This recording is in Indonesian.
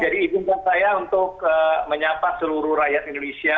jadi izinkan saya untuk menyapa seluruh rakyat indonesia